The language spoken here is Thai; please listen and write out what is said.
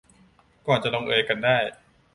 ก่อนจะลงเอยกันได้